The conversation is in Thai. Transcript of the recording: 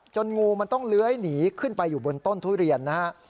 งูมันต้องเลื้อยหนีขึ้นไปอยู่บนต้นทุเรียนนะฮะ